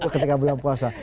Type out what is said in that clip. ketika beliau puasa